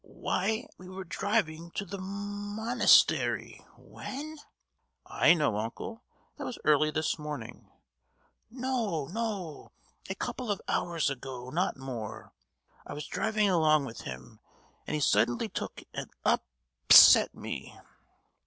"Why, we were driving to the mo—nastery, when?——" "I know, uncle: that was early this morning!" "No, no! A couple of hours ago, not more! I was driving along with him, and he suddenly took and up—set me!"